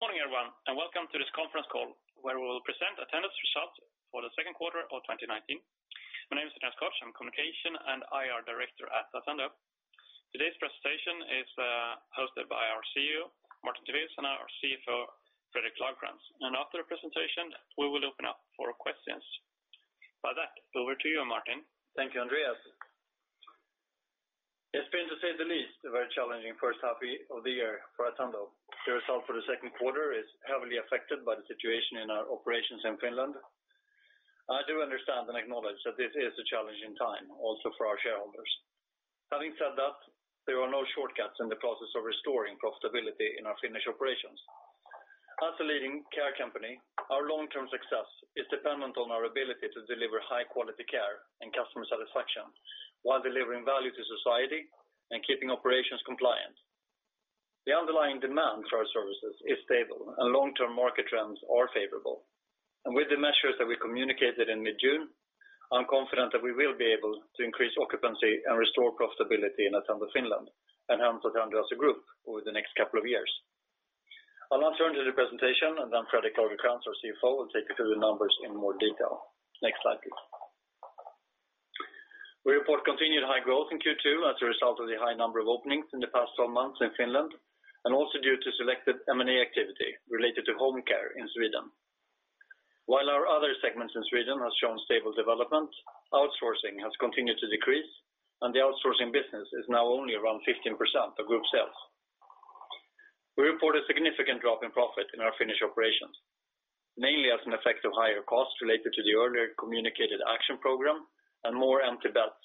Morning, everyone, and welcome to this conference call where we will present Attendo's results for the second quarter of 2019. My name is Andreas Scott. I'm Communication and IR Director at Attendo. Today's presentation is hosted by our CEO, Martin Tivéus, our CFO, Fredrik Lagercrantz. After the presentation, we will open up for questions. By that, over to you, Martin. Thank you, Andreas. It's been, to say the least, a very challenging first half of the year for Attendo. The result for the second quarter is heavily affected by the situation in our operations in Finland. I do understand and acknowledge that this is a challenging time also for our shareholders. Having said that, there are no shortcuts in the process of restoring profitability in our Finnish operations. As a leading care company, our long-term success is dependent on our ability to deliver high-quality care and customer satisfaction while delivering value to society and keeping operations compliant. The underlying demand for our services is stable and long-term market trends are favorable. With the measures that we communicated in mid-June, I'm confident that we will be able to increase occupancy and restore profitability in Attendo Finland and hence Attendo as a group over the next couple of years. I'll now turn to the presentation, and then Fredrik Lagercrantz, our CFO, will take you through the numbers in more detail. Next slide, please. We report continued high growth in Q2 as a result of the high number of openings in the past 12 months in Finland, and also due to selected M&A activity related to home care in Sweden. While our other segments in Sweden have shown stable development, outsourcing has continued to decrease, and the outsourcing business is now only around 15% of group sales. We report a significant drop in profit in our Finnish operations, mainly as an effect of higher costs related to the earlier communicated action program and more empty beds.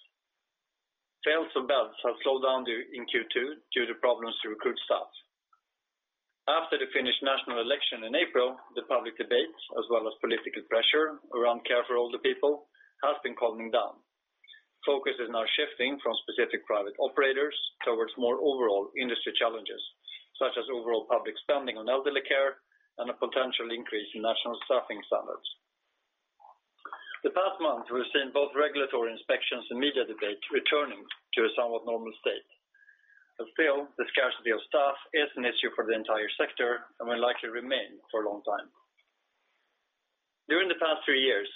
Sales of beds have slowed down in Q2 due to problems to recruit staff. After the Finnish national election in April, the public debate as well as political pressure around care for older people has been calming down. Focus is now shifting from specific private operators towards more overall industry challenges, such as overall public spending on elderly care and a potential increase in national staffing standards. The past month, we've seen both regulatory inspections and media debate returning to a somewhat normal state. Still, the scarcity of staff is an issue for the entire sector and will likely remain for a long time. During the past three years,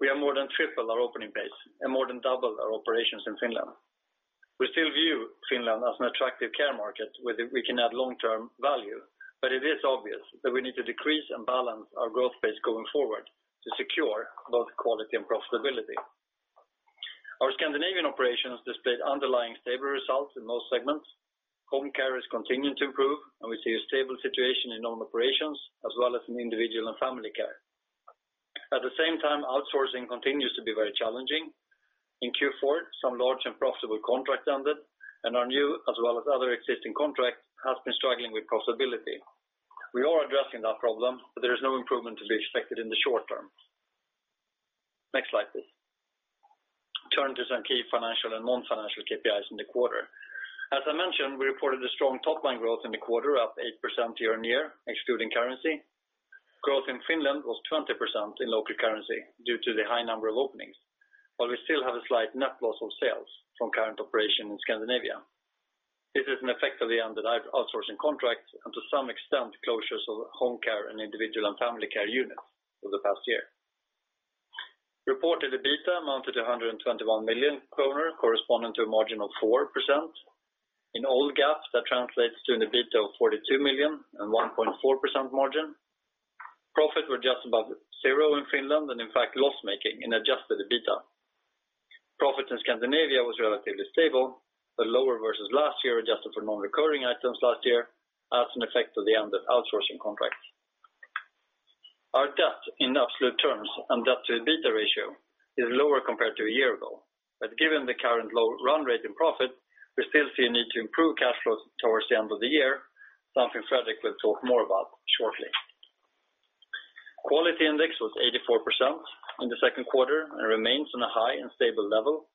we have more than tripled our opening base and more than doubled our operations in Finland. We still view Finland as an attractive care market where we can add long-term value, but it is obvious that we need to decrease and balance our growth base going forward to secure both quality and profitability. Our Scandinavian Operations displayed underlying stable results in most segments. Home care is continuing to improve, and we see a stable situation in own operations as well as in individual and family care. At the same time, outsourcing continues to be very challenging. In Q4, some large and profitable contracts ended, and our new as well as other existing contracts has been struggling with profitability. We are addressing that problem, but there is no improvement to be expected in the short term. Next slide, please. Turn to some key financial and non-financial KPIs in the quarter. As I mentioned, we reported a strong top-line growth in the quarter, up 8% YoY, excluding currency. Growth in Finland was 20% in local currency due to the high number of openings, while we still have a slight net loss of sales from current operation in Scandinavia. This is an effect of the ended outsourcing contracts and to some extent closures of home care and individual and family care units over the past year. Reported EBITDA amounted to 121 million kronor, corresponding to a margin of 4%. In old GAAP, that translates to an EBITDA of 42 million and 1.4% margin. Profit were just above zero in Finland and in fact loss-making in Adjusted EBITDA. Profit in Scandinavia was relatively stable, but lower versus last year, adjusted for non-recurring items last year as an effect of the ended outsourcing contract. Our debt in absolute terms and debt to EBITDA ratio is lower compared to a year ago. Given the current low run rate in profit, we still see a need to improve cash flows towards the end of the year, something Fredrik will talk more about shortly. Quality index was 84% in the second quarter and remains on a high and stable level.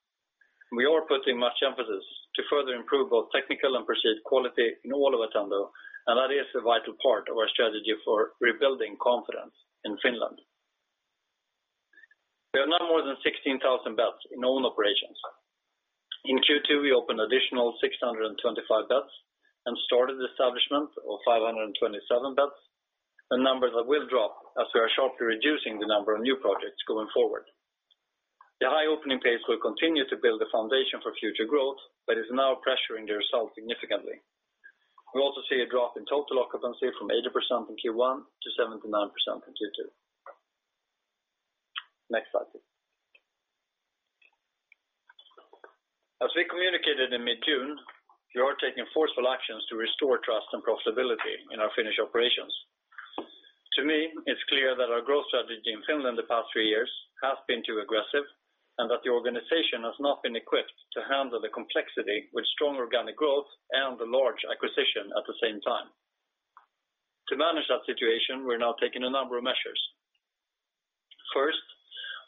We are putting much emphasis to further improve both technical and perceived quality in all of Attendo, and that is a vital part of our strategy for rebuilding confidence in Finland. We have now more than 16,000 beds in own operations. In Q2, we opened additional 625 beds and started establishment of 527 beds, a number that will drop as we are sharply reducing the number of new projects going forward. The high opening pace will continue to build the foundation for future growth, but is now pressuring the result significantly. We also see a drop in total occupancy from 80% in Q1 to 79% in Q2. Next slide, please. As we communicated in mid-June, we are taking forceful actions to restore trust and profitability in our Finnish Operations. To me, it's clear that our growth strategy in Finland the past three years has been too aggressive and that the organization has not been equipped to handle the complexity with strong organic growth and the large acquisition at the same time. To manage that situation, we're now taking a number of measures. First,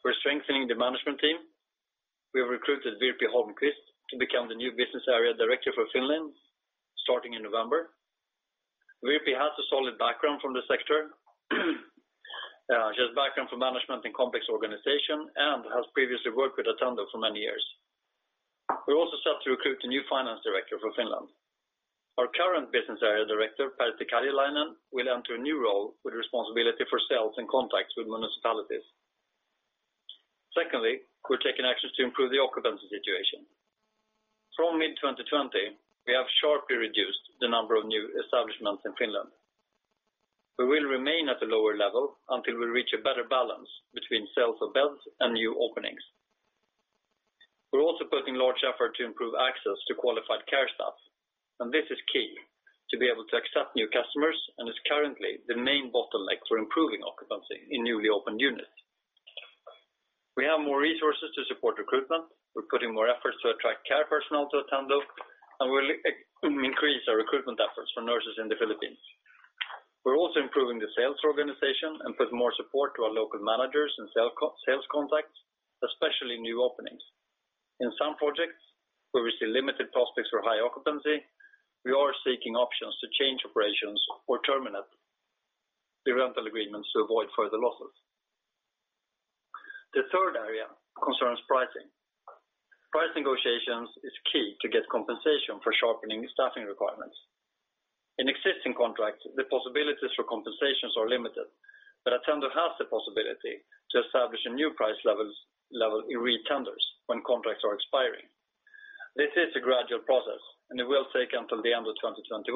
we're strengthening the management team. We have recruited Virpi Holmqvist to become the new Business Area Director for Finland starting in November. Virpi has a solid background from the sector. For management and complex organization, and has previously worked with Attendo for many years. We also start to recruit a new Finance Director for Finland. Our current Business Area Director, Pertti Karjalainen, will enter a new role with responsibility for sales and contacts with municipalities. Secondly, we're taking actions to improve the occupancy situation. From mid-2020, we have sharply reduced the number of new establishments in Finland. We will remain at a lower level until we reach a better balance between sales of beds and new openings. We are also putting large effort to improve access to qualified care staff, and this is key to be able to accept new customers and is currently the main bottleneck for improving occupancy in newly opened units. We have more resources to support recruitment. We are putting more efforts to attract care personnel to Attendo, and we will increase our recruitment efforts for nurses in the Philippines. We are also improving the sales organization and put more support to our local managers and sales contacts, especially new openings. In some projects where we see limited prospects for high occupancy, we are seeking options to change operations or terminate the rental agreements to avoid further losses. The third area concerns pricing. Price negotiations is key to get compensation for sharpening staffing requirements. In existing contracts, the possibilities for compensations are limited, Attendo has the possibility to establish a new price level in re-tenders when contracts are expiring. This is a gradual process, and it will take until the end of 2021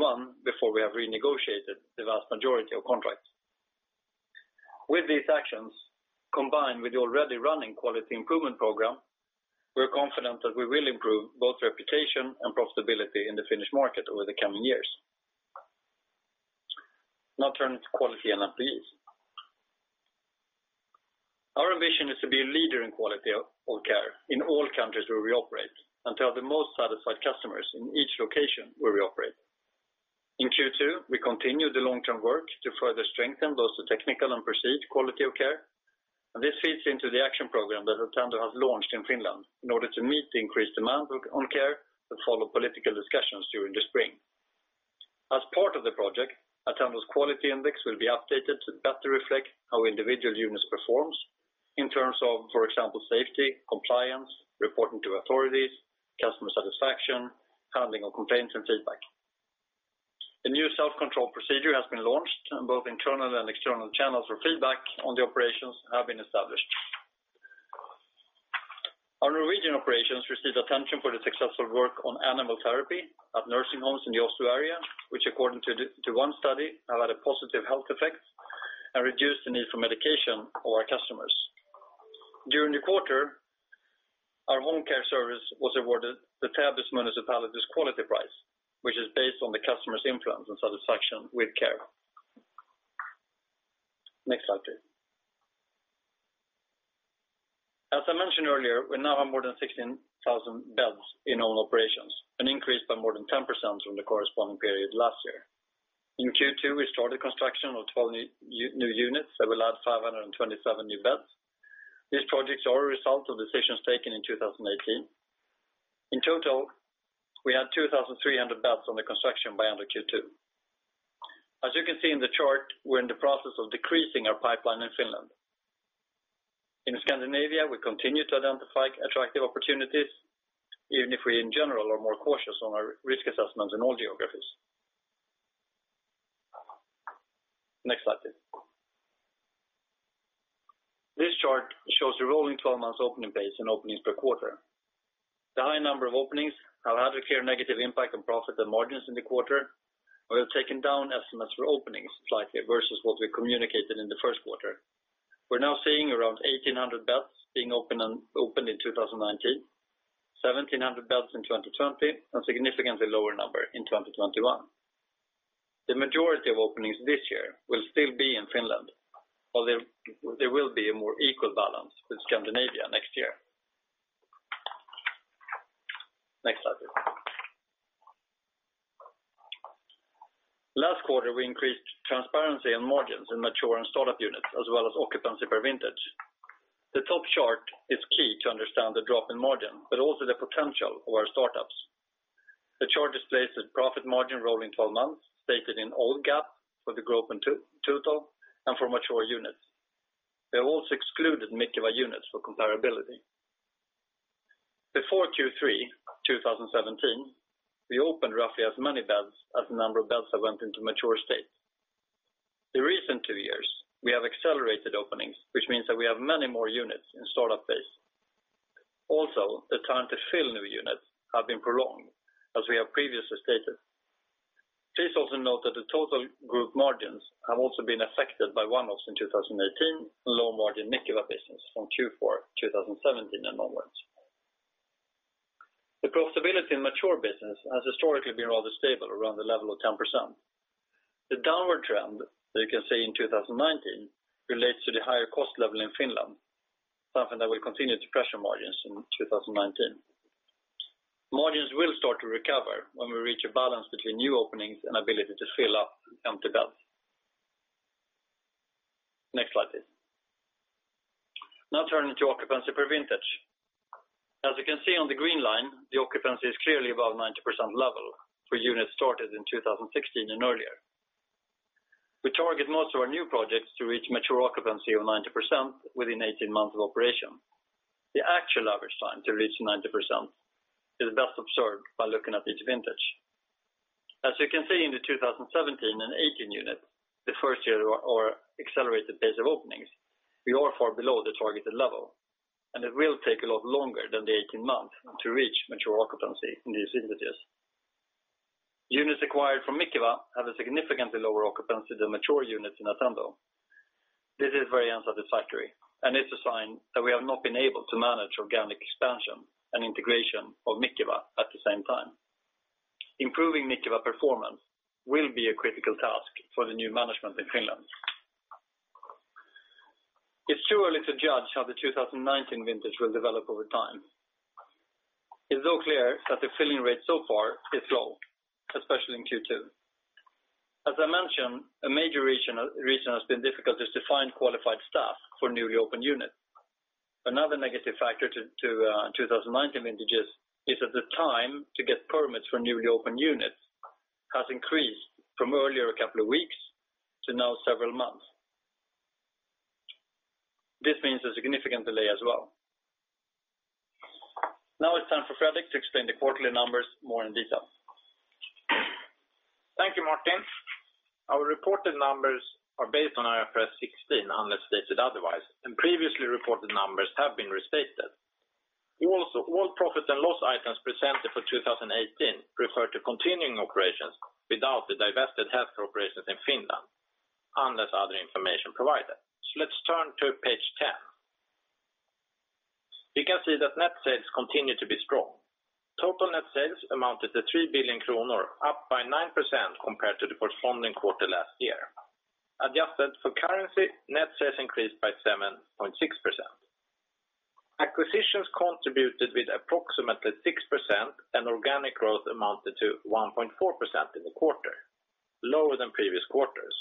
before we have renegotiated the vast majority of contracts. With these actions, combined with the already running quality improvement program, we are confident that we will improve both reputation and profitability in the Finnish market over the coming years. Now turning to quality and NPS. Our ambition is to be a leader in quality of care in all countries where we operate and to have the most satisfied customers in each location where we operate. In Q2, we continued the long-term work to further strengthen both the technical and perceived quality of care, and this feeds into the action program that Attendo has launched in Finland in order to meet the increased demand on care that followed political discussions during the spring. As part of the project, Attendo's quality index will be updated to better reflect how individual units performs in terms of, for example, safety, compliance, reporting to authorities, customer satisfaction, handling of complaints and feedback. A new self-control procedure has been launched, and both internal and external channels for feedback on the operations have been established. Our Norwegian operations received attention for the successful work on animal therapy at nursing homes in the Oslo area, which according to one study, have had a positive health effect and reduced the need for medication for our customers. During the quarter, our home care service was awarded the Täby municipality's quality prize, which is based on the customer's influence and satisfaction with care. Next slide, please. As I mentioned earlier, we now have more than 16,000 beds in all operations, an increase by more than 10% from the corresponding period last year. In Q2, we started construction of 12 new units that will add 527 new beds. These projects are a result of decisions taken in 2018. In total, we had 2,300 beds under construction by end of Q2. As you can see in the chart, we are in the process of decreasing our pipeline in Finland. In Scandinavia, we continue to identify attractive opportunities, even if we, in general, are more cautious on our risk assessments in all geographies. Next slide, please. This chart shows the rolling 12 months opening pace and openings per quarter. The high number of openings have had a clear negative impact on profit and margins in the quarter. We have taken down estimates for openings slightly versus what we communicated in the first quarter. We're now seeing around 1,800 beds being opened in 2019, 1,700 beds in 2020, and significantly lower number in 2021. The majority of openings this year will still be in Finland, although there will be a more equal balance with Scandinavia next year. Next slide, please. Last quarter, we increased transparency on margins in mature and start-up units, as well as occupancy per vintage. The top chart is key to understand the drop in margin, but also the potential for our start-ups. The chart displays the profit margin rolling 12 months, stated in old GAAP for the group in total and for mature units. We have also excluded Mikeva units for comparability. Before Q3 2017, we opened roughly as many beds as the number of beds that went into mature state. The recent two years, we have accelerated openings, which means that we have many more units in start-up phase. Also, the time to fill new units have been prolonged, as we have previously stated. Please also note that the total group margins have also been affected by one-offs in 2018 and low-margin Mikeva business from Q4 2017 and onwards. The profitability in mature business has historically been rather stable around the level of 10%. The downward trend that you can see in 2019 relates to the higher cost level in Finland, something that will continue to pressure margins in 2019. Margins will start to recover when we reach a balance between new openings and ability to fill up empty beds. Next slide, please. Now turning to occupancy per vintage. As you can see on the green line, the occupancy is clearly above 90% level for units started in 2016 and earlier. We target most of our new projects to reach mature occupancy of 90% within 18 months of operation. The actual average time to reach 90% is best observed by looking at each vintage. As you can see in the 2017 and 2018 unit, the first year of our accelerated pace of openings, we are far below the targeted level, and it will take a lot longer than the 18 months to reach mature occupancy in these vintages. Units acquired from Mikeva have a significantly lower occupancy than mature units in Attendo. This is very unsatisfactory, and it's a sign that we have not been able to manage organic expansion and integration of Mikeva at the same time. Improving Mikeva performance will be a critical task for the new management in Finland. It's too early to judge how the 2019 vintage will develop over time. It's all clear that the filling rate so far is low, especially in Q2. As I mentioned, a major reason has been difficulties to find qualified staff for newly opened units. Another negative factor to 2019 vintages is that the time to get permits for newly opened units has increased from earlier a couple of weeks to now several months. This means a significant delay as well. Now it's time for Fredrik to explain the quarterly numbers more in detail. Thank you, Martin. Our reported numbers are based on IFRS 16, unless stated otherwise, and previously reported numbers have been restated. All profit and loss items presented for 2018 refer to continuing operations without the divested healthcare operations in Finland, unless other information provided. Let's turn to page 10. You can see that net sales continue to be strong. Total net sales amounted to 3 billion kronor, up by 9% compared to the corresponding quarter last year. Adjusted for currency, net sales increased by 7.6%. Acquisitions contributed with approximately 6%, and organic growth amounted to 1.4% in the quarter, lower than previous quarters.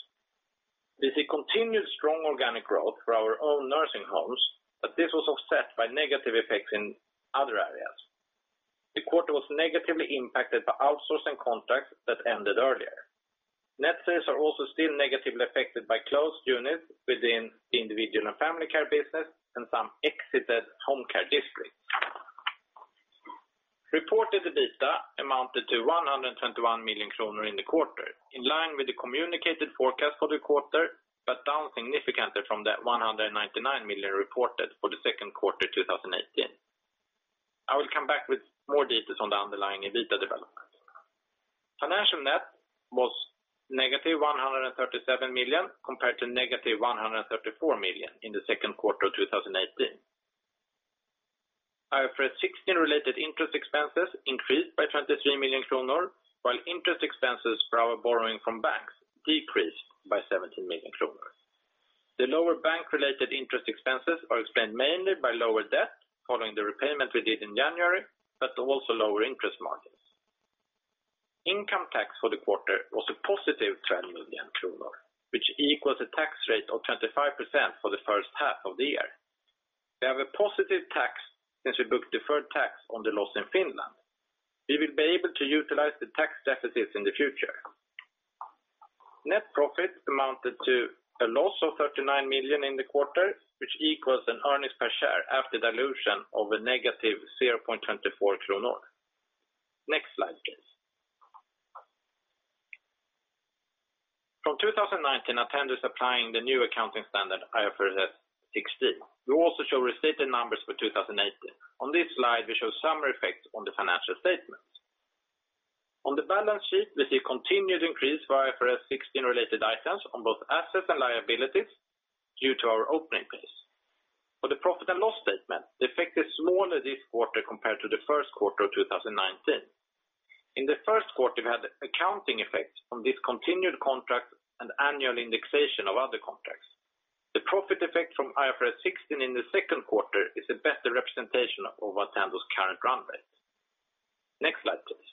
We see continued strong organic growth for our own nursing homes, but this was offset by negative effects in other areas. The quarter was negatively impacted by outsourcing contracts that ended earlier. Net sales are also still negatively affected by closed units within the individual and family care business and some exited home care districts. Reported EBITDA amounted to 121 million kronor in the quarter, in line with the communicated forecast for the quarter, but down significantly from the 199 million reported for the second quarter 2018. I will come back with more details on the underlying EBITDA development. Financial net was negative 137 million compared to negative 134 million in the second quarter of 2018. IFRS 16-related interest expenses increased by 23 million kronor, while interest expenses for our borrowing from banks decreased by 17 million kronor. The lower bank-related interest expenses are explained mainly by lower debt following the repayment we did in January, but also lower interest margins. Income tax for the quarter was a positive 12 million kronor, which equals a tax rate of 25% for the first half of the year. We have a positive tax since we booked deferred tax on the loss in Finland. We will be able to utilize the tax deficits in the future. Net profit amounted to a loss of 39 million in the quarter, which equals an earnings per share after dilution of a negative 0.24 kronor. Next slide, please. From 2019, Attendo is applying the new accounting standard IFRS 16. We also show restated numbers for 2018. On this slide, we show summary effects on the financial statements. On the balance sheet, we see continued increase for IFRS 16 related items on both assets and liabilities due to our opening pace. For the profit and loss statement, the effect is smaller this quarter compared to the first quarter of 2019. In the first quarter, we had accounting effects from discontinued contracts and annual indexation of other contracts. The profit effect from IFRS 16 in the second quarter is a better representation of Attendo's current run rate. Next slide, please.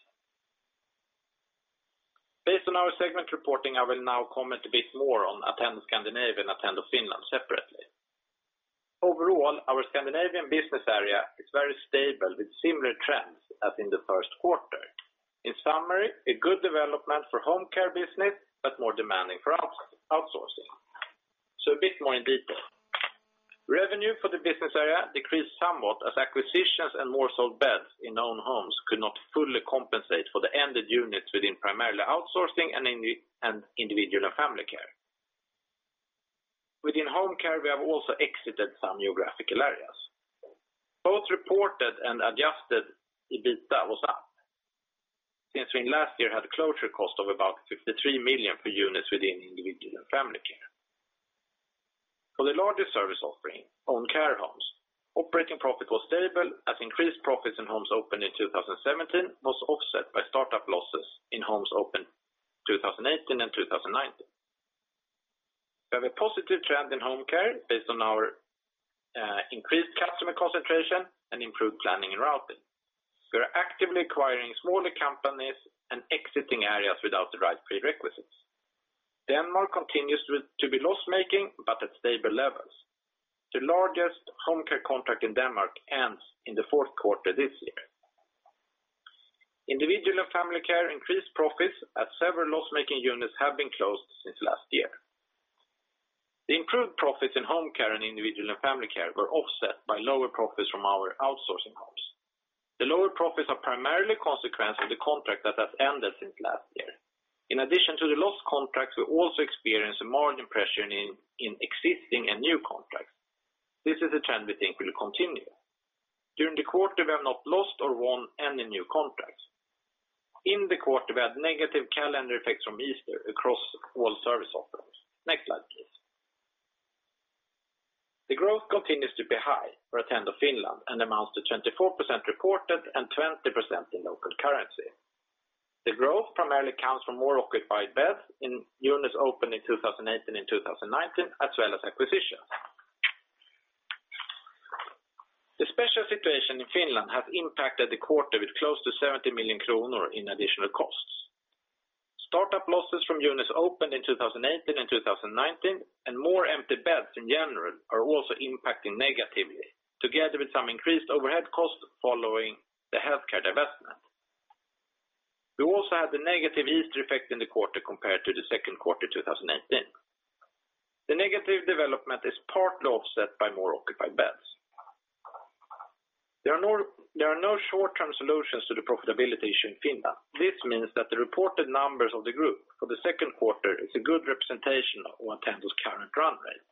Based on our segment reporting, I will now comment a bit more on Attendo Scandinavia, Attendo Finland separately. Overall, our Scandinavian business area is very stable with similar trends as in the first quarter. In summary, a good development for home care business, but more demanding for outsourcing. A bit more in detail. Revenue for the business area decreased somewhat as acquisitions and more sold beds in own homes could not fully compensate for the ended units within primarily outsourcing and individual and family care. Within home care, we have also exited some geographical areas. Both reported and Adjusted EBITDA was up since we last year had a closure cost of about 53 million for units within individual and family care. For the largest service offering, own care homes, operating profit was stable as increased profits in homes opened in 2017 was offset by startup losses in homes opened 2018 and 2019. We have a positive trend in home care based on our increased customer concentration and improved planning and routing. We are actively acquiring smaller companies and exiting areas without the right prerequisites. Denmark continues to be loss-making but at stable levels. The largest home care contract in Denmark ends in the fourth quarter this year. Individual and family care increased profits as several loss-making units have been closed since last year. The improved profits in home care and individual and family care were offset by lower profits from our outsourcing hubs. The lower profits are primarily a consequence of the contract that has ended since last year. In addition to the lost contracts, we also experienced margin pressure in existing and new contracts. This is a trend we think will continue. During the quarter, we have not lost or won any new contracts. In the quarter, we had negative calendar effects from Easter across all service offerings. Next slide, please. The growth continues to be high for Attendo Finland and amounts to 24% reported and 20% in local currency. The growth primarily comes from more occupied beds in units opened in 2018 and 2019, as well as acquisitions. The special situation in Finland has impacted the quarter with close to 70 million kronor in additional costs. Startup losses from units opened in 2018 and 2019 and more empty beds in general are also impacting negatively, together with some increased overhead costs following the healthcare divestment. We also had the negative Easter effect in the quarter compared to the second quarter 2018. The negative development is partly offset by more occupied beds. There are no short-term solutions to the profitability issue in Finland. This means that the reported numbers of the group for the second quarter is a good representation of Attendo's current run rate.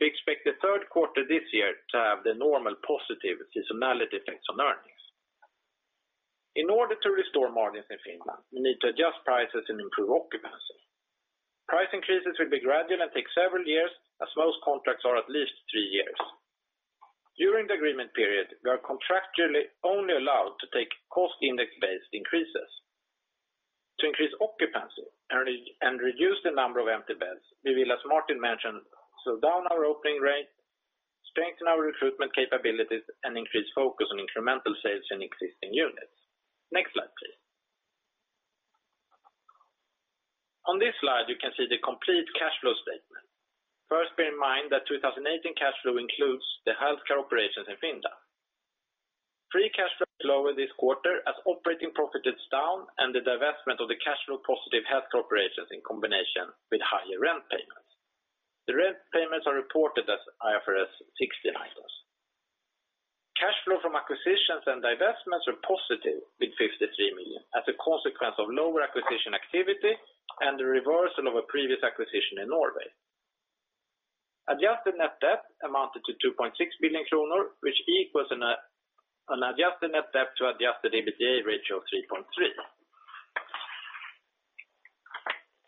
We expect the third quarter this year to have the normal positive seasonality effects on earnings. In order to restore margins in Finland, we need to adjust prices and improve occupancy. Price increases will be gradual and take several years, as most contracts are at least three years. During the agreement period, we are contractually only allowed to take cost index-based increases. To increase occupancy and reduce the number of empty beds, we will, as Martin mentioned, slow down our opening rate, strengthen our recruitment capabilities, and increase focus on incremental sales in existing units. Next slide, please. On this slide, you can see the complete cash flow statement. First, bear in mind that 2018 cash flow includes the healthcare operations in Finland. Free cash flow is lower this quarter as operating profit is down and the divestment of the cash flow-positive healthcare operations in combination with higher rent payments. The rent payments are reported as IFRS 16 items. Cash flow from acquisitions and divestments were positive with 53 million as a consequence of lower acquisition activity and the reversal of a previous acquisition in Norway. Adjusted net debt amounted to 2.6 billion kronor, which equals an adjusted net debt to Adjusted EBITDA ratio of 3.3.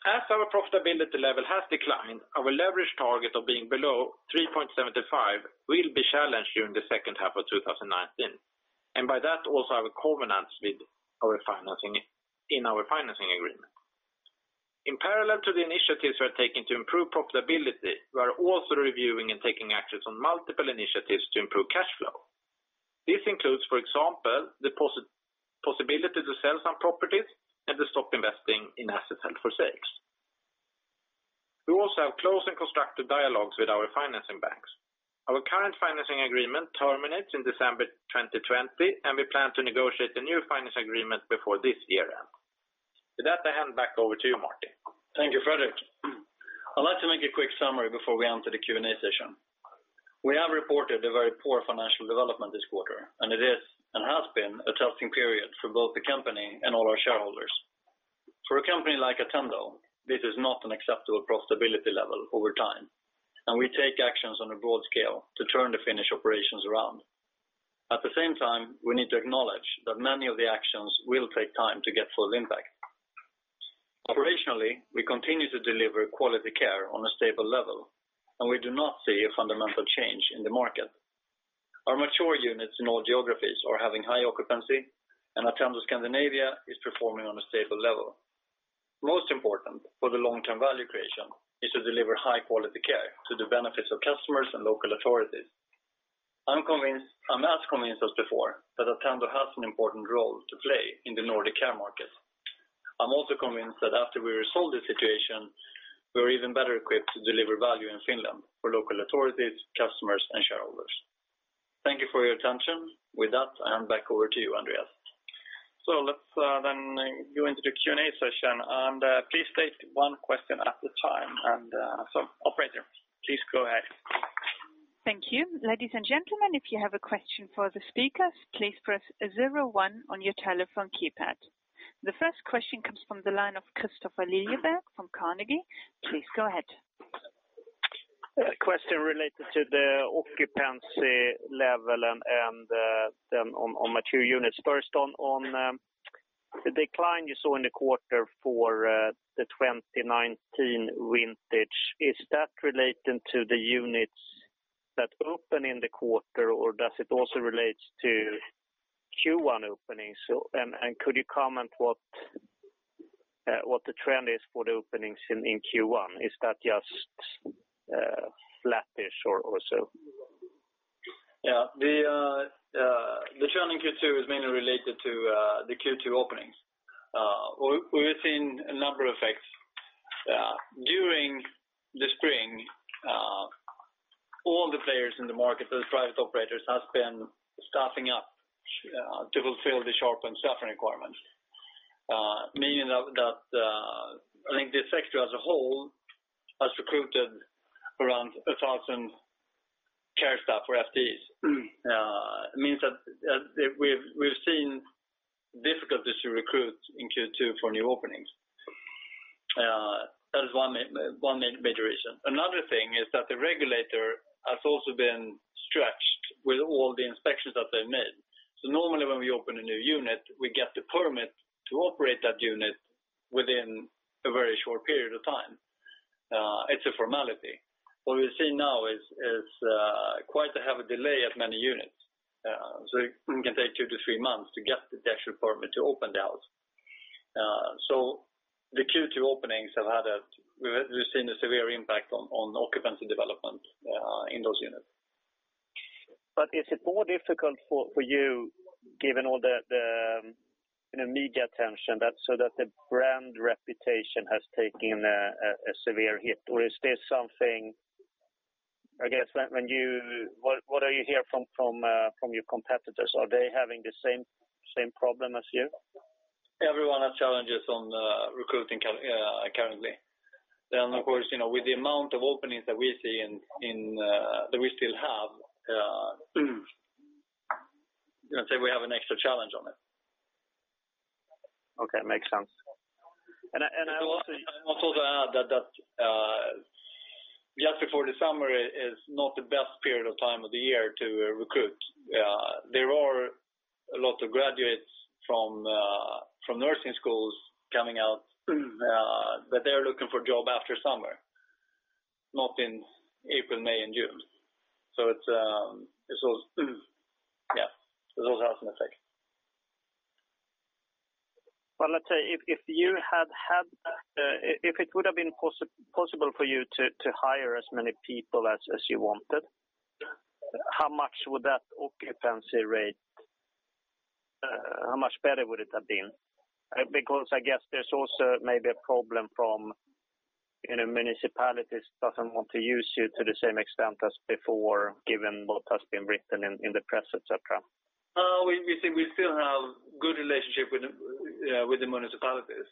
As our profitability level has declined, our leverage target of being below 3.75 will be challenged during the second half of 2019, by that, also our covenants in our financing agreement. In parallel to the initiatives we are taking to improve profitability, we are also reviewing and taking actions on multiple initiatives to improve cash flow. This includes, for example, the possibility to sell some properties and to stop investing in assets held for sale. We also have close and constructive dialogues with our financing banks. Our current financing agreement terminates in December 2020, we plan to negotiate the new finance agreement before this year ends. With that, I hand back over to you, Martin. Thank you, Fredrik. I'd like to make a quick summary before we enter the Q&A session. We have reported a very poor financial development this quarter, it is and has been a testing period for both the company and all our shareholders. For a company like Attendo, this is not an acceptable profitability level over time, we take actions on a broad scale to turn the Finnish operations around. At the same time, we need to acknowledge that many of the actions will take time to get full impact. Operationally, we continue to deliver quality care on a stable level, we do not see a fundamental change in the market. Our mature units in all geographies are having high occupancy, Attendo Scandinavia is performing on a stable level. Most important for the long-term value creation is to deliver high-quality care to the benefits of customers and local authorities. I'm as convinced as before that Attendo has an important role to play in the Nordic care market. I'm also convinced that after we resolve this situation, we are even better equipped to deliver value in Finland for local authorities, customers, and shareholders. Thank you for your attention. With that, I hand back over to you, Andreas. Let's go into the Q&A session. Please state one question at a time. Operator, please go ahead. Thank you. Ladies and gentlemen, if you have a question for the speakers, please press zero one on your telephone keypad. The first question comes from the line of Kristofer Liljeberg from Carnegie. Please go ahead. A question related to the occupancy level and then on mature units. First, on the decline you saw in the quarter for the 2019 vintage, is that relating to the units that open in the quarter, or does it also relate to Q1 openings? Could you comment what the trend is for the openings in Q1? Is that just flattish or so? Yeah. The challenge in Q2 is mainly related to the Q2 openings. We've seen a number of effects. During the spring, all the players in the market, those private operators, has been staffing up to fulfill the sharpened staffing requirements. Meaning that, I think this sector as a whole has recruited around 1,000 care staff or FTEs. It means that we've seen difficulties to recruit in Q2 for new openings. That is one major reason. Another thing is that the regulator has also been stretched with all the inspections that they made. Normally when we open a new unit, we get the permit to operate that unit within a very short period of time. It's a formality. What we see now is quite a heavy delay at many units. It can take two to three months to get the actual permit to open the house. The Q2 openings, we've seen a severe impact on occupancy development in those units. Is it more difficult for you given all the media attention that the brand reputation has taken a severe hit? Or is this something? What are you hearing from your competitors? Are they having the same problem as you? Everyone has challenges on recruiting currently. Of course, with the amount of openings that we see that we still have, say we have an extra challenge on it. Okay. Makes sense. I will also add that just before the summer is not the best period of time of the year to recruit. There are a lot of graduates from nursing schools coming out, but they're looking for job after summer, not in April, May, and June. It also has an effect. Well, let's say if it would have been possible for you to hire as many people as you wanted, how much better would it have been? Because I guess there's also maybe a problem from municipalities don't want to use you to the same extent as before, given what has been written in the press, et cetera. We still have good relationship with the municipalities,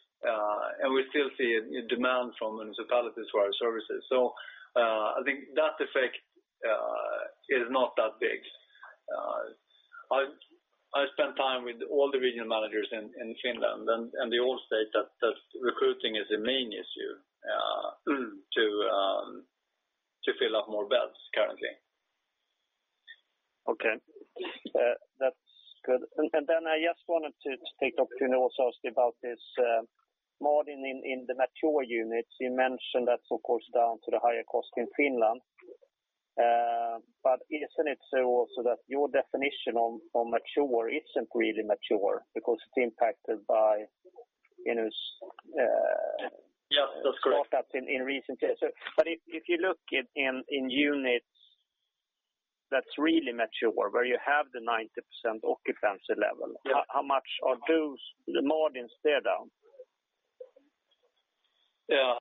and we still see demand from municipalities for our services. I think that effect is not that big. I spent time with all the regional managers in Finland, and they all state that recruiting is the main issue to fill up more beds currently. Okay. That's good. I just wanted to take the opportunity to also ask you about this margin in the mature units. You mentioned that's of course down to the higher cost in Finland. Isn't it so also that your definition on mature isn't really mature because it's impacted by Yeah. That's correct. startups in recent years. If you look in units that's really mature, where you have the 90% occupancy level- Yeah. How much are those, the margins there down? Yeah.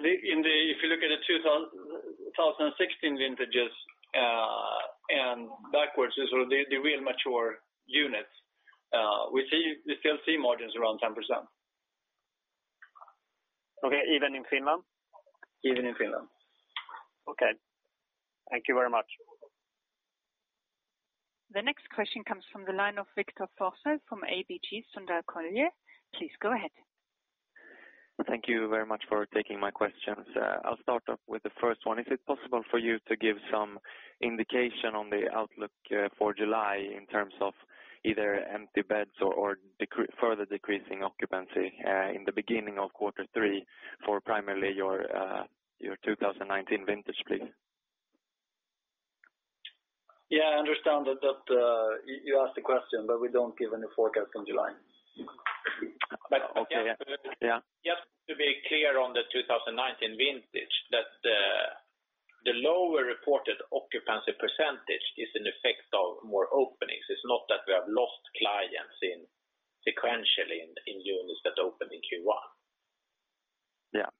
If you look at the 2016 vintages and backwards, the real mature units, we still see margins around 10%. Okay. Even in Finland? Even in Finland. Okay. Thank you very much. The next question comes from the line of Victor Forssell from ABG Sundal Collier. Please go ahead. Thank you very much for taking my questions. I'll start off with the first one. Is it possible for you to give some indication on the outlook for July in terms of either empty beds or further decreasing occupancy in the beginning of quarter three for primarily your 2019 vintage, please? Yeah, I understand that you asked the question. We don't give any forecast on July. Okay. Yeah. Just to be clear on the 2019 vintage, that the lower reported occupancy percentage is an effect of more openings. It's not that we have lost clients sequentially in units that opened in Q1. Yeah.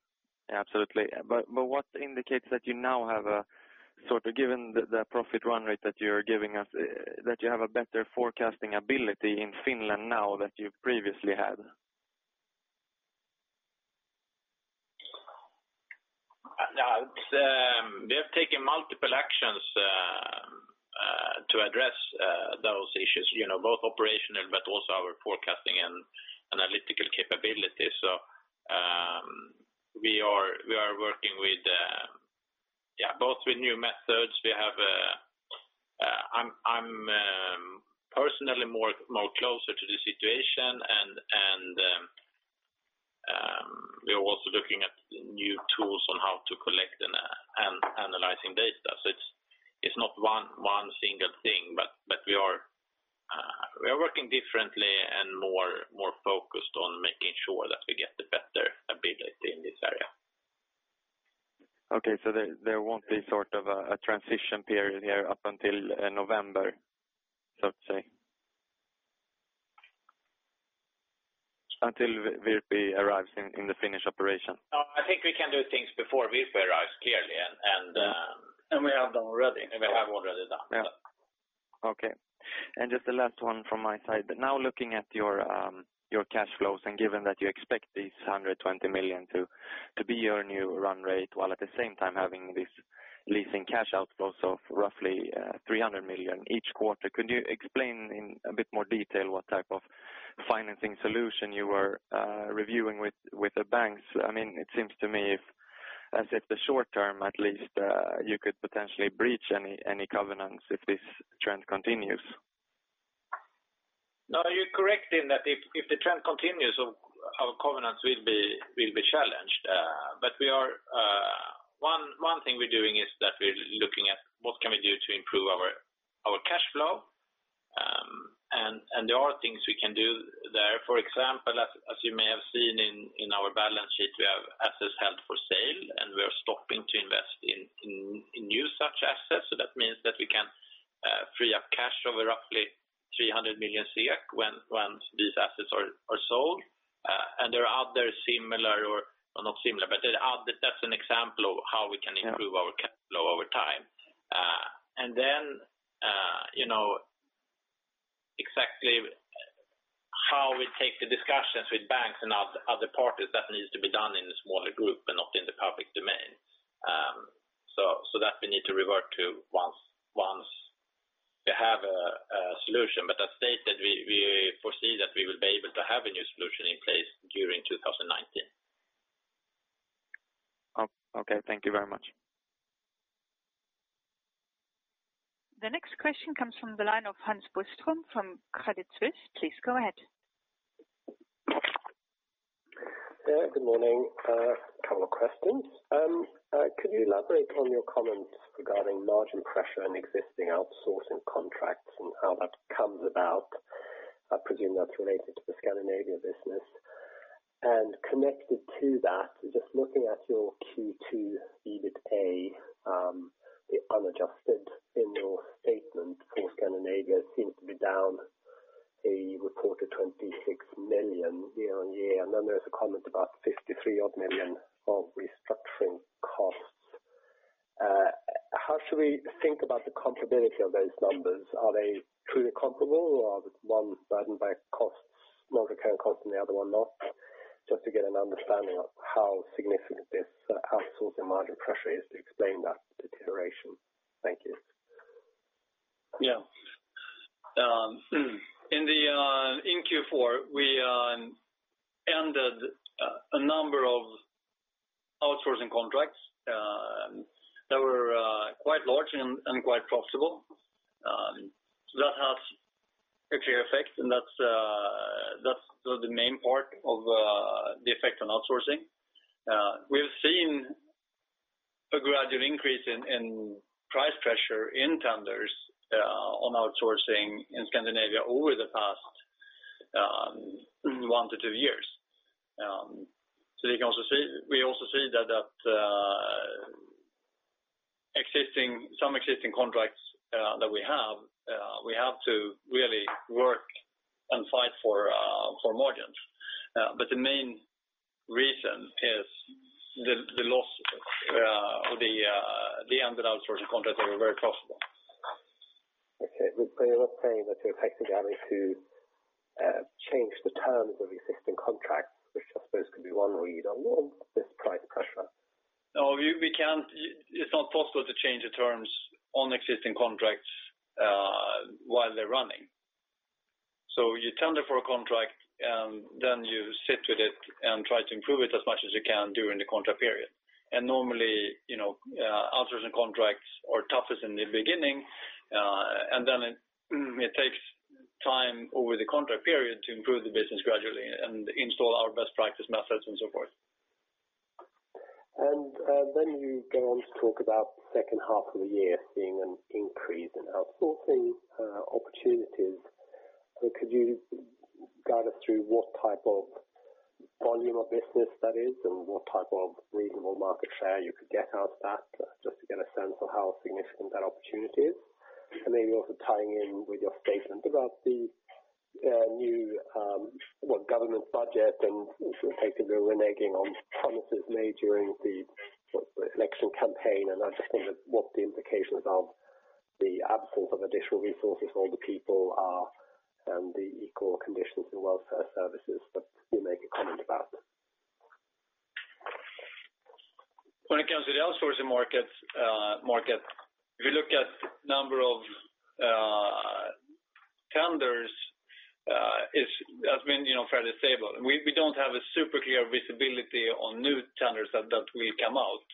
Absolutely. What indicates that you now have Given the profit run rate that you're giving us, that you have a better forecasting ability in Finland now than you've previously had? We have taken multiple actions to address those issues, both operational but also our forecasting and analytical capabilities. We are working both with new methods. I'm personally more closer to the situation and we are also looking at new tools on how to collect and analyzing data. It's not one single thing, but we are working differently and more focused on making sure that we get the better ability in this. Okay. There won't be sort of a transition period here up until November, so to say? Until Virpi arrives in the Finnish operation. No, I think we can do things before Virpi arrives, clearly. And we have already done. Yeah. Okay. Just the last one from my side. Now looking at your cash flows and given that you expect this 120 million to be your new run rate, while at the same time having this leasing cash outflows of roughly 300 million each quarter, could you explain in a bit more detail what type of financing solution you are reviewing with the banks? It seems to me as if the short term at least, you could potentially breach any covenants if this trend continues. You're correct in that if the trend continues, our covenants will be challenged. One thing we're doing is that we're looking at what can we do to improve our cash flow. There are things we can do there. For example, as you may have seen in our balance sheet, we have assets held for sale, and we are stopping to invest in new such assets. That means that we can free up cash over roughly 300 million SEK when these assets are sold. There are other similar or, not similar, but that's an example of how we can improve our cash flow over time. Exactly how we take the discussions with banks and other parties that needs to be done in a smaller group and not in the public domain. That we need to revert to once we have a solution. As stated, we foresee that we will be able to have a new solution in place during 2019. Okay. Thank you very much. The next question comes from the line of Hans Boström from Credit Suisse. Please go ahead. Good morning. A couple of questions. Could you elaborate on your comments regarding margin pressure and existing outsourcing contracts and how that comes about? I presume that's related to the Scandinavia business. Connected to that, just looking at your Q2 EBITA, the unadjusted in your statement for Scandinavia seems to be down a reported 26 million year-on-year. Then there is a comment about 53 odd million of restructuring costs. How should we think about the comparability of those numbers? Are they truly comparable or are the one burdened by costs, non-recurring costs and the other one not? Just to get an understanding of how significant this outsourcing margin pressure is to explain that deterioration. Thank you. Yeah. In Q4, we ended a number of outsourcing contracts that were quite large and quite profitable. That has a clear effect and that's the main part of the effect on outsourcing. We've seen a gradual increase in price pressure in tenders on outsourcing in Scandinavia over the past one to two years. We also see that some existing contracts that we have, we have to really work and fight for margins. The main reason is the loss of the ended outsourcing contracts that were very profitable. Okay. You're not saying that you're effectively having to change the terms of existing contracts, which I suppose could be one way you deal with this price pressure? No, it's not possible to change the terms on existing contracts while they're running. You tender for a contract and then you sit with it and try to improve it as much as you can during the contract period. Normally, outsourcing contracts are toughest in the beginning, and then it takes time over the contract period to improve the business gradually and install our best practice methods and so forth. You go on to talk about the second half of the year seeing an increase in outsourcing opportunities. Could you guide us through what type of volume of business that is and what type of reasonable market share you could get out of that, just to get a sense of how significant that opportunity is? Also tying in with your statement about the new government budget and effectively reneging on promises made during the election campaign, I just wonder what the implications are of the absence of additional resources for older people are and the equal conditions in welfare services that you make a comment about. When it comes to the outsourcing market, if you look at number of tenders, it has been fairly stable. We don't have a super clear visibility on new tenders that will come out.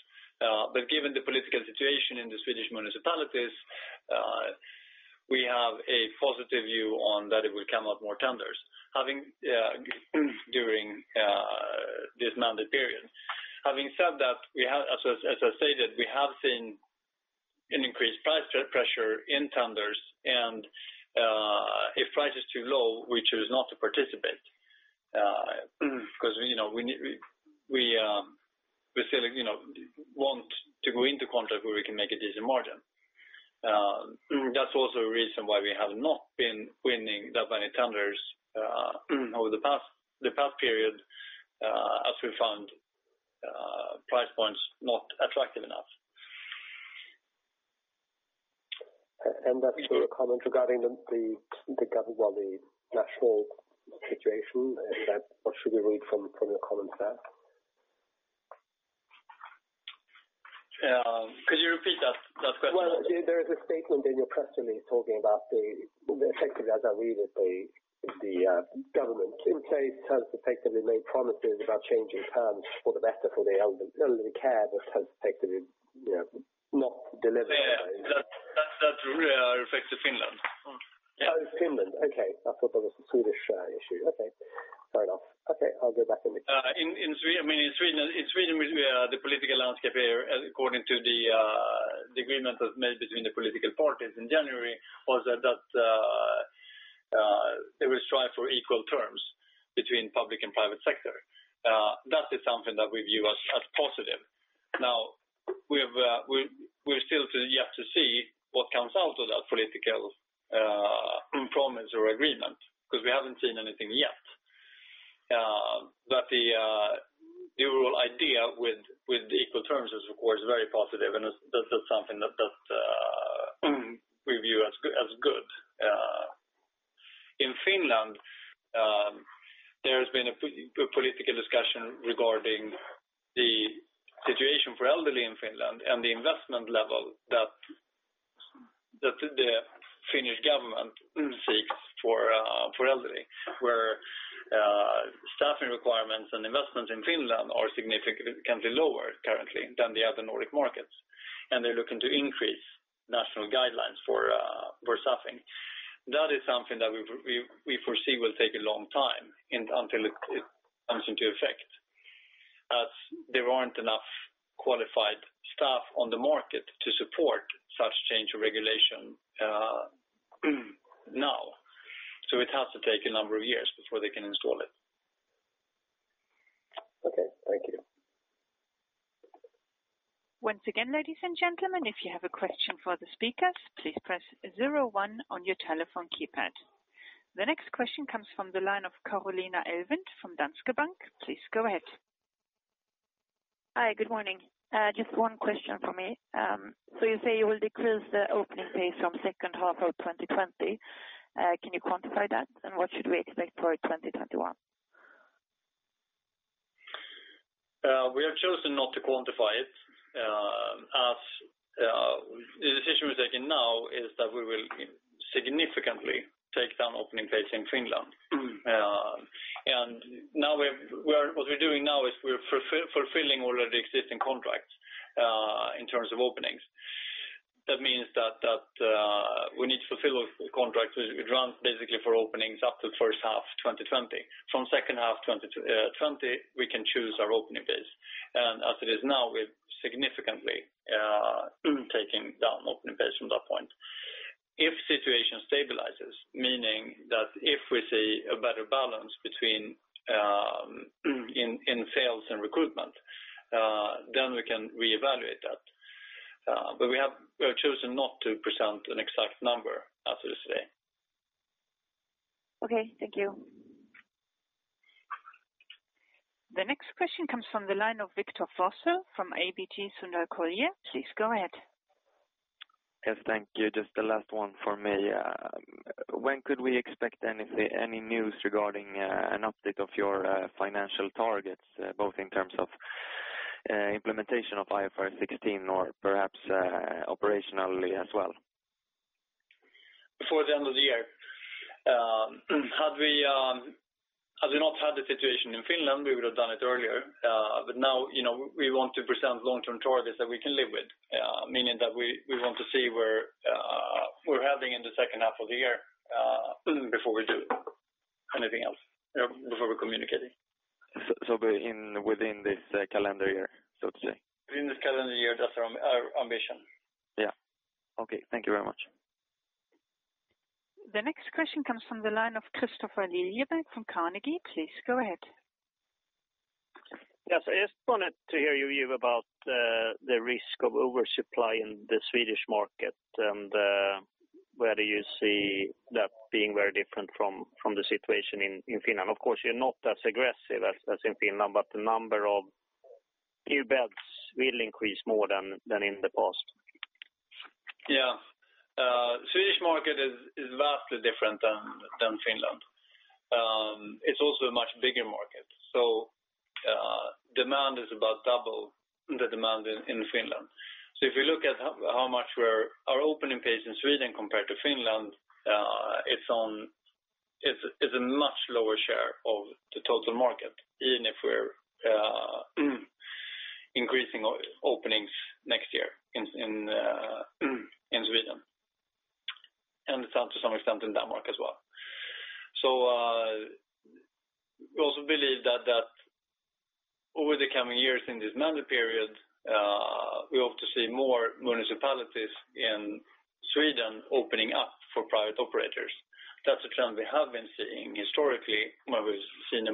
Given the political situation in the Swedish municipalities, we have a positive view on that it will come up more tenders during this mandate period. Having said that, as I stated, we have seen an increased price pressure in tenders, and if price is too low, we choose not to participate. We still want to go into contract where we can make a decent margin. That's also a reason why we have not been winning that many tenders over the past period, as we found price points not attractive enough. That's your comment regarding the national situation, and what should we read from your comments there? Could you repeat that question? Well, there is a statement in your press release talking about the Effectively, as I read it, the government in place has effectively made promises about changing terms for the better for the elderly care, but has effectively not delivered. Yeah, that reflects to Finland. Oh, Finland. Okay. I thought that was a Swedish issue. Okay. Fair enough. Okay, I'll go back. In Sweden, the political landscape here, according to the agreement that was made between the political parties in January, was that there was strive for equal terms between public and private sector. That is something that we view as positive. We're still yet to see what comes out of that political promise or agreement, because we haven't seen anything yet. The overall idea with equal terms is, of course, very positive and that is something that we view as good. In Finland, there has been a political discussion regarding the situation for elderly in Finland and the investment level that the Finnish government seeks for elderly, where staffing requirements and investments in Finland are significantly lower currently than the other Nordic markets. They're looking to increase national guidelines for staffing. That is something that we foresee will take a long time until it comes into effect. As there aren't enough qualified staff on the market to support such change of regulation now. It has to take a number of years before they can install it. Okay. Thank you. Once again, ladies and gentlemen, if you have a question for the speakers, please press zero one on your telephone keypad. The next question comes from the line of Carolina Elvind from Danske Bank. Please go ahead. Hi. Good morning. Just one question from me. You say you will decrease the opening pace from second half of 2020. Can you quantify that? What should we expect for 2021? We have chosen not to quantify it, as the decision we're taking now is that we will significantly take down opening pace in Finland. What we're doing now is we're fulfilling already existing contracts in terms of openings. That means that we need to fulfill contracts which runs basically for openings up to first half 2020. From second half 2020, we can choose our opening pace. As it is now, we're significantly taking down opening pace from that point. If situation stabilizes, meaning that if we see a better balance between in sales and recruitment, then we can reevaluate that. We have chosen not to present an exact number as of today. Okay. Thank you. The next question comes from the line of Victor Forssell from ABG Sundal Collier. Please go ahead. Yes. Thank you. Just the last one for me. When could we expect any news regarding an update of your financial targets, both in terms of implementation of IFRS 16 or perhaps operationally as well? Before the end of the year. Had we not had the situation in Finland, we would have done it earlier. Now we want to present long-term targets that we can live with. Meaning that we want to see where we're heading in the second half of the year before we do anything else, before we communicate it. Within this calendar year, so to say? Within this calendar year, that's our ambition. Yeah. Okay. Thank you very much. The next question comes from the line of Kristofer Liljeberg from Carnegie. Please go ahead. Yes. I just wanted to hear you about the risk of oversupply in the Swedish market. Where do you see that being very different from the situation in Finland? Of course, you're not as aggressive as in Finland, the number of new beds will increase more than in the past. Swedish market is vastly different than Finland. It's also a much bigger market. Demand is about double the demand in Finland. If you look at how much our opening pace in Sweden compared to Finland, it's a much lower share of the total market, even if we're increasing openings next year in Sweden. To some extent in Denmark as well. Over the coming years in this mandate period, we hope to see more municipalities in Sweden opening up for private operators. That's a trend we have been seeing historically, where we've seen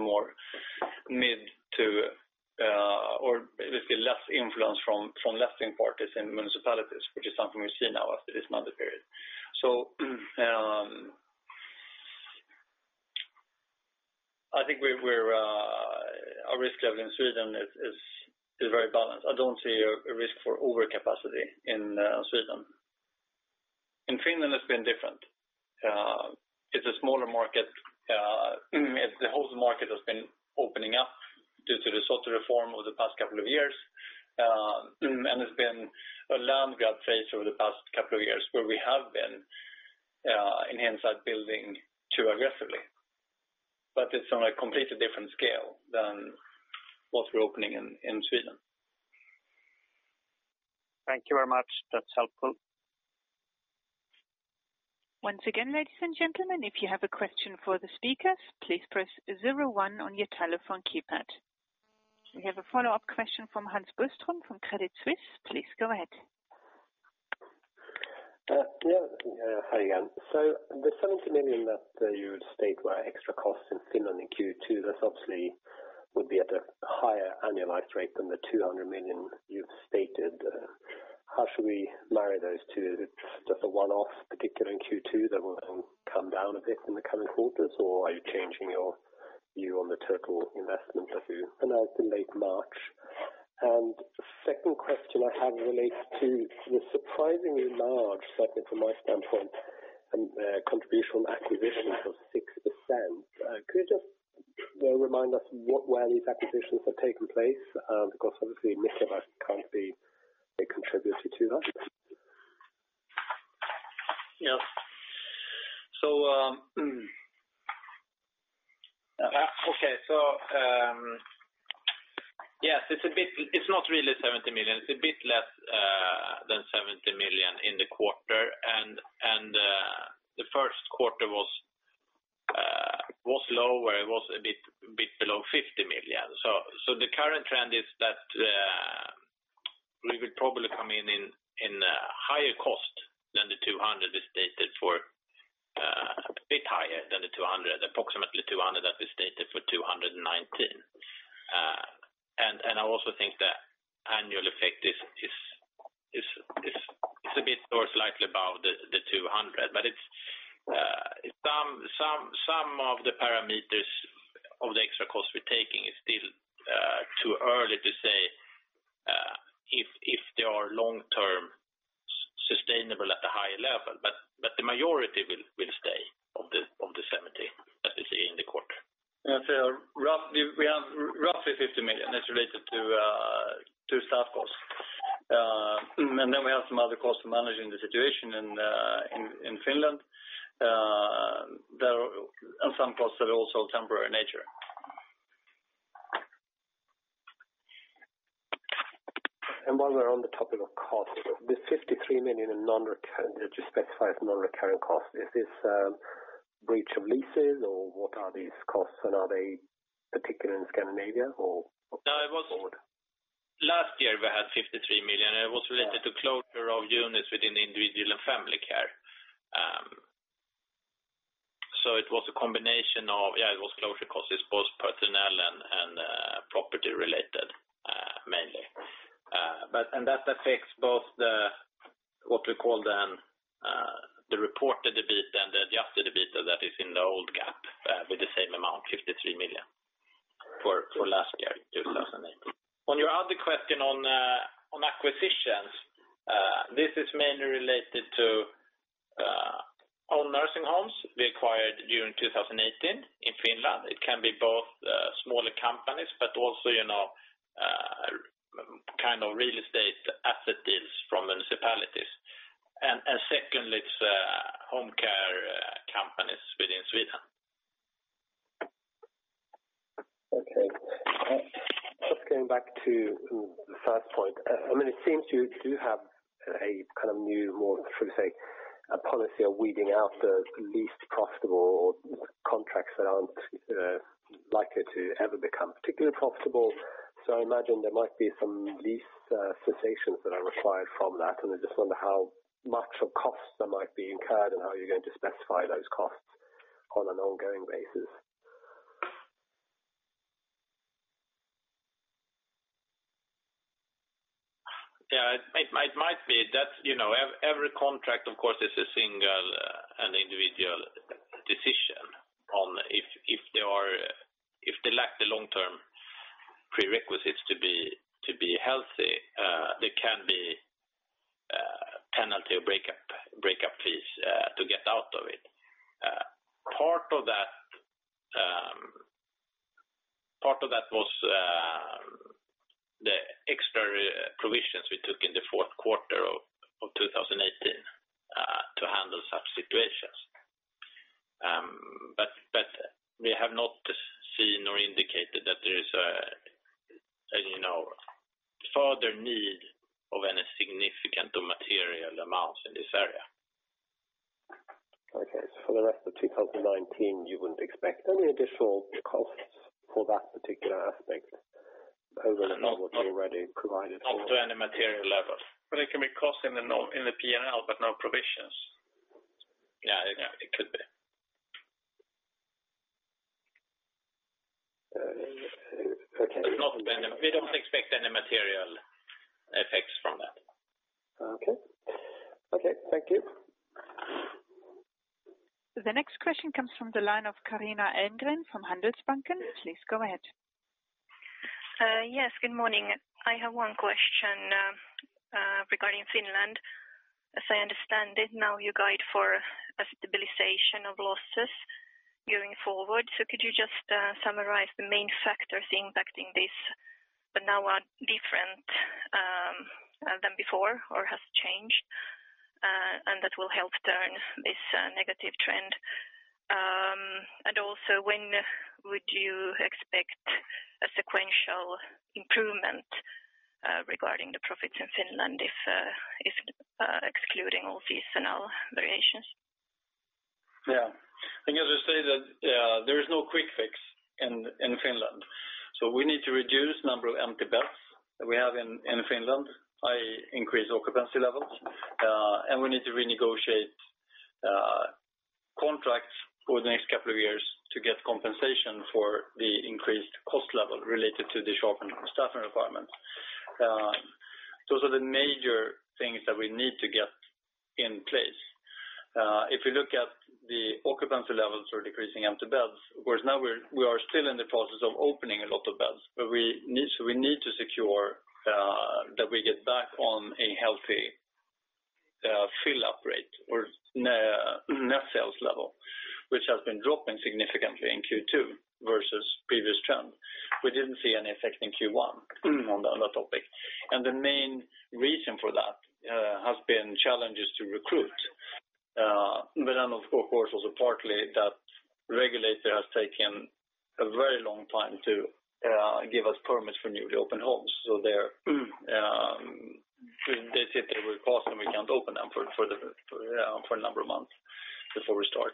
less influence from left-wing parties in municipalities, which is something we see now after this mandate period. I think our risk level in Sweden is very balanced. I don't see a risk for overcapacity in Sweden. In Finland, it's been different. It's a smaller market. The wholesale market has been opening up due to the SOTE reform over the past couple of years, there's been a learned grad phase over the past couple of years, where we have been inside building too aggressively. It's on a completely different scale than what we're opening in Sweden. Thank you very much. That is helpful. Once again, ladies and gentlemen, if you have a question for the speakers, please press zero one on your telephone keypad. We have a follow-up question from Hans Boström from Credit Suisse. Please go ahead. Hi again. The 70 million that you had stated were extra costs in Finland in Q2, this obviously would be at a higher annualized rate than the 200 million you have stated. How should we marry those two? Is it just a one-off particular in Q2 that will then come down a bit in the coming quarters? Or are you changing your view on the total investment that you announced in late March? The second question I have relates to the surprisingly large, certainly from my standpoint, contribution acquisitions of 6%. Could you just remind us where these acquisitions have taken place? Because obviously, most of us cannot be a contributor to that. It is not really 70 million. It is a bit less than 70 million in the quarter, and the first quarter was low, where it was a bit below 50 million. The current trend is that we will probably come in a higher cost than the 200 as stated for a bit higher than the 200, approximately 200 that we stated for 2019. I also think the annual effect is a bit more slightly above the 200, but some of the parameters of the extra cost we are taking is still too early to say if they are long-term sustainable at a high level. The majority will stay of the 70 that we see in the quarter. We have roughly 50 million that is related to staff costs. Then we have some other costs of managing the situation in Finland. There are some costs that are also temporary in nature. While we're on the topic of costs, this 53 million that you specified as non-recurring costs, is this breach of leases, or what are these costs, and are they particular in Scandinavia or Finland? Last year, we had 53 million, and it was related to closure of units within individual and family care. It was a combination of it was closure costs. It's both personnel and property related, mainly. That affects both the, what we call then the reported EBITDA and the Adjusted EBITDA that is in the old GAAP with the same amount, 53 million for last year, 2018. On your other question on acquisitions, this is mainly related to all nursing homes we acquired during 2018 in Finland. It can be both smaller companies, but also real estate asset deals from municipalities. Secondly, it's home care companies within Sweden. Okay. Just going back to the first point. It seems you do have a new, more, should we say, policy of weeding out the least profitable or contracts that aren't likely to ever become particularly profitable. I imagine there might be some lease cessations that are required from that, and I just wonder how much of costs that might be incurred and how you're going to specify those costs on an ongoing basis. Yeah, it might be that every contract, of course, is a single and individual decision on if they lack the long-term prerequisites to be healthy there can be penalty or breakup fees to get out of it. Part of that was the extra provisions we took in the fourth quarter of 2018 to handle such situations. We have not seen or indicated that there is a Of any significant or material amounts in this area. Okay. For the rest of 2019, you wouldn't expect any additional costs for that particular aspect over and above what you already provided for? Not to any material level. It can be cost in the P&L, but no provisions. Yeah. It could be. Okay. We don't expect any material effects from that. Okay. Thank you. The next question comes from the line of Carina Endren from Handelsbanken. Please go ahead. Yes, good morning. I have one question regarding Finland. As I understand it now you guide for a stabilization of losses going forward. Could you just summarize the main factors impacting this that now are different than before or has changed, and that will help turn this negative trend? Also, when would you expect a sequential improvement regarding the profits in Finland if excluding all seasonal variations? I guess I say that there is no quick fix in Finland. We need to reduce number of empty beds that we have in Finland, i.e. increase occupancy levels. We need to renegotiate contracts for the next couple of years to get compensation for the increased cost level related to the sharpened staffing requirements. Those are the major things that we need to get in place. If you look at the occupancy levels or decreasing empty beds, whereas now we are still in the process of opening a lot of beds, but we need to secure that we get back on a healthy fill-up rate or net sales level, which has been dropping significantly in Q2 versus previous trend. We didn't see any effect in Q1 on the topic. The main reason for that has been challenges to recruit. Of course, also partly that regulator has taken a very long time to give us permits for newly open homes. They sit there with cost, and we can't open them for a number of months before we start.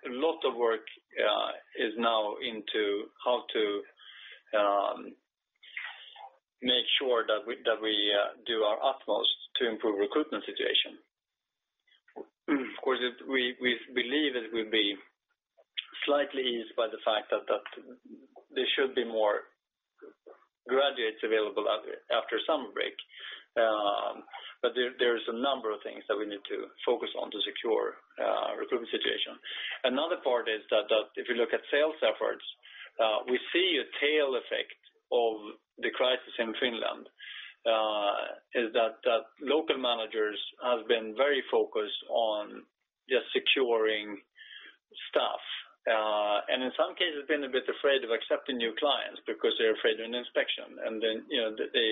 A lot of work is now into how to make sure that we do our utmost to improve recruitment situation. Of course, we believe it will be slightly eased by the fact that there should be more graduates available after summer break. There is a number of things that we need to focus on to secure recruitment situation. Another part is that if you look at sales efforts, we see a tail effect of the crisis in Finland, is that local managers have been very focused on just securing staff. In some cases, been a bit afraid of accepting new clients because they're afraid of an inspection. They,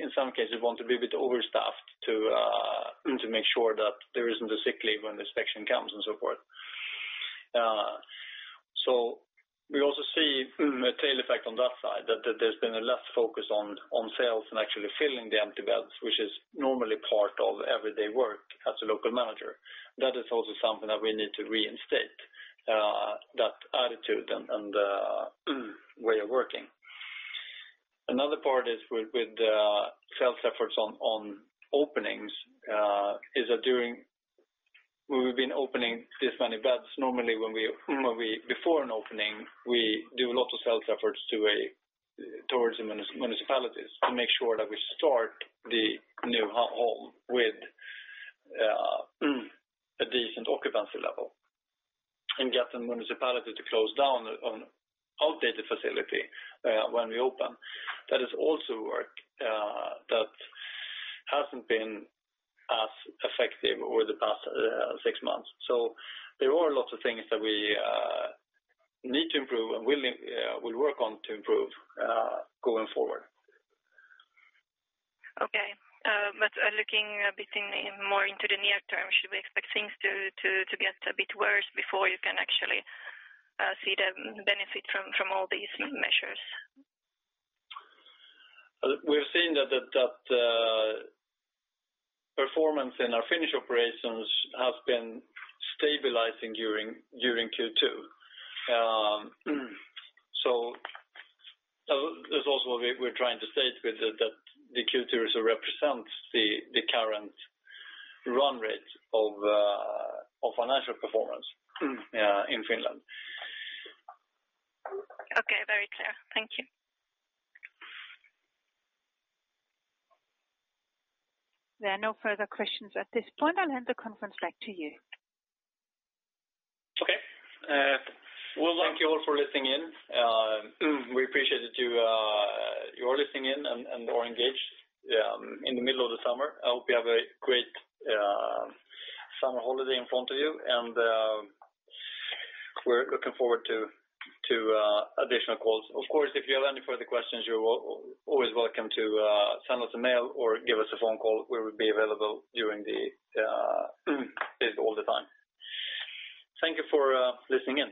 in some cases, want to be a bit overstaffed to make sure that there isn't a sick leave when the inspection comes and so forth. We also see a tail effect on that side that there's been a less focus on sales and actually filling the empty beds, which is normally part of everyday work as a local manager. That is also something that we need to reinstate, that attitude and way of working. Another part is with the sales efforts on openings, is that during we've been opening this many beds. Normally before an opening, we do a lot of sales efforts towards the municipalities to make sure that we start the new home with a decent occupancy level and get the municipality to close down an outdated facility when we open. That is also work that hasn't been as effective over the past six months. There are a lot of things that we need to improve and we work on to improve going forward. Looking a bit more into the near term, should we expect things to get a bit worse before you can actually see the benefit from all these measures? We're seeing that the performance in our Finnish operations has been stabilizing during Q2. That's also what we're trying to state with that the Q2 results represents the current run rate of financial performance in Finland. Okay. Very clear. Thank you. There are no further questions at this point. I'll hand the conference back to you. Okay. Well, thank you all for listening in. We appreciate that you're listening in and are engaged in the middle of the summer. I hope you have a great summer holiday in front of you, and we're looking forward to additional calls. Of course, if you have any further questions, you're always welcome to send us a mail or give us a phone call. We will be available during the day all the time. Thank you for listening in.